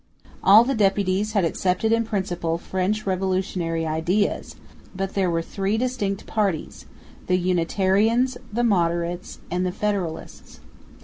All the deputies had accepted in principle French revolutionary ideas, but there were three distinct parties, the unitarians, the moderates and the federalists.